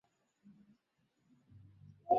হ্যাঁ, করেছি!